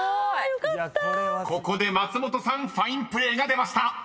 ［ここで松本さんファインプレーが出ました］